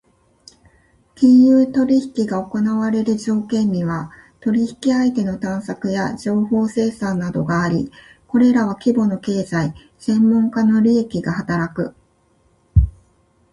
金融取引が行われる条件には、取引相手の探索や情報生産などがあり、これらは規模の経済・専門家の利益が働く。